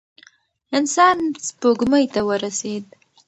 انسان سپوږمۍ ته ورسېد.